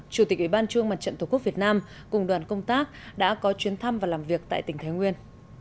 chủ tịch ủy ban trung mặt trận tổ quốc việt nam cùng đoàn công tác đã có chuyến thăm và làm việc tại tỉnh thái nguyên